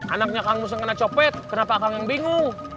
anaknya kang mus kena copet kenapa kang yang bingung